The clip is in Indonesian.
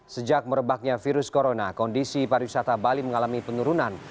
sejak merebaknya virus corona kondisi pariwisata bali mengalami penurunan